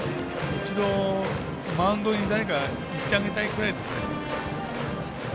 一度マウンドに誰か行ってあげたいくらいですね。